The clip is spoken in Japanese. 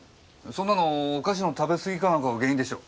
そんなのお菓子の食べ過ぎかなんかが原因でしょ。